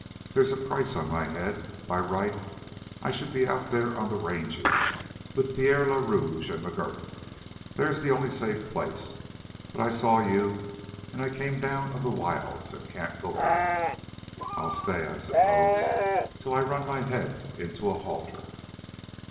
There's a price on my head. By right, I should be out there on the ranges with Pierre le Rouge and McGurk. There's the only safe place; but I saw you and I came down out of the wilds and can't go back. I'll stay, I suppose, till I run my head into a halter."